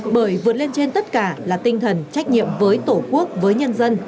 bởi vượt lên trên tất cả là tinh thần trách nhiệm với tổ quốc với nhân dân